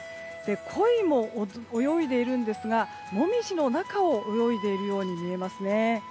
コイも泳いでいるんですがモミジの中を泳いでいるように見えますね。